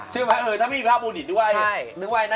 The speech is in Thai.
ใช่ไหมถ้าไม่มีภาพโมดิชด้วย